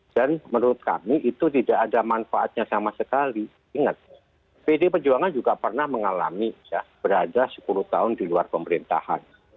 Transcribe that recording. dan menurut kami itu tidak ada manfaatnya sama sekali ingat pd perjuangan juga pernah mengalami ya berada sepuluh tahun di luar pemerintahan